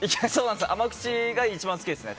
甘口が一番好きですね。